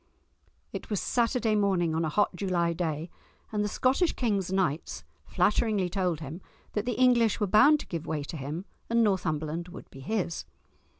It was Saturday morning on a hot July day, and the Scottish king's knights flatteringly told him that the English were bound to give way to him, and Northumberland would be his.